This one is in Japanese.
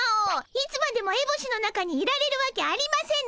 いつまでもえぼしの中にいられるわけありませぬ。